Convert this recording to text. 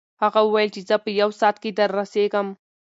هغه وویل چې زه په یو ساعت کې دررسېږم.